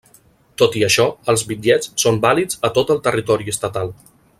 Tot i això, els bitllets són vàlids a tot el territori estatal.